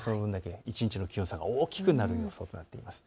一日の気温差が大きくなる予想になっています。